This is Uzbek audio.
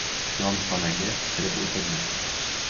Yon xonaga kirib o‘tirdim.